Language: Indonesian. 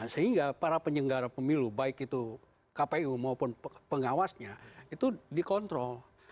sehingga para penyelenggara pemilu baik itu kpu maupun pengawasnya itu dikontrol